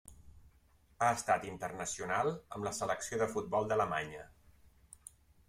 Ha estat internacional amb la selecció de futbol d'Alemanya.